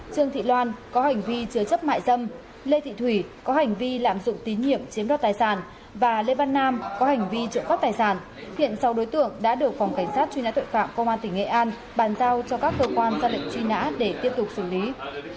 các cơ quan ra lệnh truy nã để tiếp tục xử lý